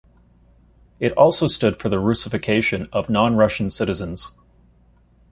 It also stood for the russification of non-Russian citizens.